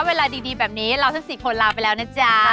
เวลาดีแบบนี้เราทั้ง๔คนลาไปแล้วนะจ๊ะ